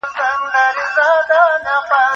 د پولو درناوی د امنیت تضمین کوي.